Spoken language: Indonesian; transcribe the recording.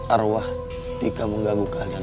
arwah tika mengganggu kalian